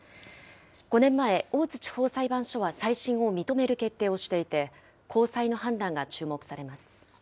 ５年前、大津地方裁判所は再審を認める決定をしていて、高裁の判断が注目